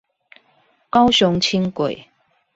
高雄輕軌